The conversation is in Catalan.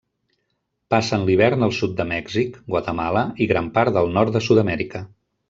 Passen l'hivern al sud de Mèxic, Guatemala i gran part del nord de Sud-amèrica.